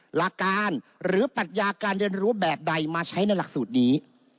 หลักการหรือปัญญาการเรียนรู้แบบใดมาใช้ในหลักสูตรนี้